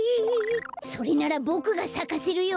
それならボクがさかせるよ。